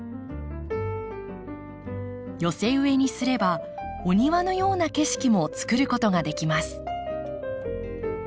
寄せ植えにすればお庭のような景色もつくることができます。